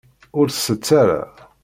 Ur tt-tett ara.